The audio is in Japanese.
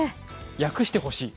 訳してほしい。